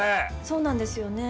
そうなんですよね。